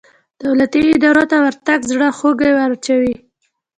دولتي ادارو ته ورتګ زړه خوږ وراچوي.